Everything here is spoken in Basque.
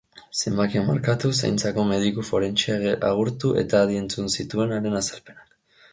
Zenbakia markatu, zaintzako mediku forentsea agurtu eta adi entzun zituen haren azalpenak.